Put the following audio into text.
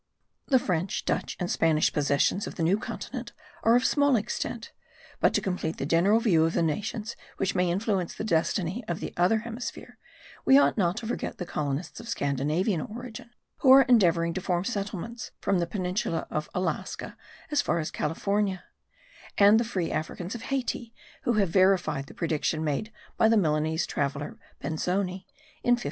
The French, Dutch, and Danish possessions of the new continent are of small extent; but, to complete the general view of the nations which may influence the destiny of the other hemisphere, we ought not to forget the colonists of Scandinavian origin who are endeavouring to form settlements from the peninsula of Alashka as far as California; and the free Africans of Hayti who have verified the prediction made by the Milanese traveller Benzoni in 1545.